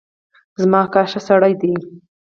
زما اکا ښه سړی دی